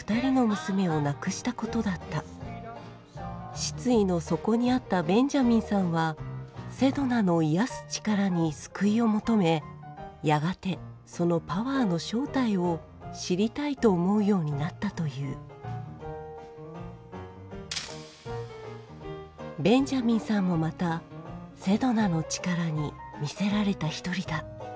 失意の底にあったベンジャミンさんはセドナの癒やす力に救いを求めやがてそのパワーの正体を知りたいと思うようになったというベンジャミンさんもまたセドナの力に魅せられた一人だすごいいいお天気。